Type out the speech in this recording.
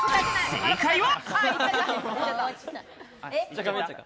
正解は。